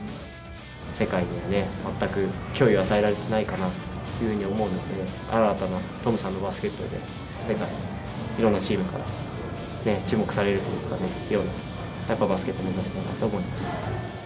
世界にはね、全く脅威を与えられてないかなというふうに思うので、新たなトムさんのバスケットで、世界のいろんなチームから注目されるというかね、バスケットを目指したいなと思います。